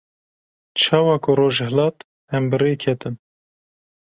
Çawa ku roj hilat em bi rê ketin.